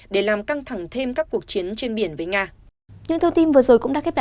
để làm căng thẳng thêm các cuộc chiến trên biển với nga